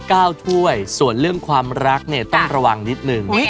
เก้าถ้วยส่วนเรื่องความรักเนี่ยต้องระวังนิดนึง